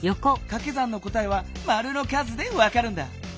かけ算の答えはマルの数でわかるんだ。